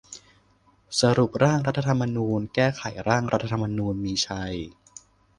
สรุปร่างรัฐธรรมนูญ : แก้ไขร่างรัฐธรรมนูญมีชัย